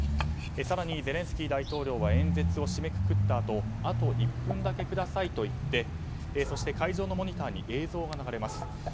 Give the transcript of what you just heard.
更にゼレンスキー大統領は演説を締めくくったあとあと１分だけくださいと言ってそして会場のモニターに映像が流れます。